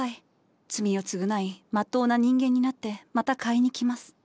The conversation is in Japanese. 罪を償いまっとうな人間になってまた買いに来ます。